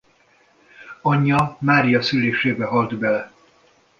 Anyja Mária szülésébe halt bele.